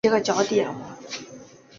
有研究将少孢根霉视为的变种。